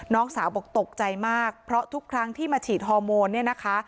น้องสาวบอกตกใจมากเพราะทุกครั้งที่มาฉีดฮอร์โมนเนี่ยนะคะ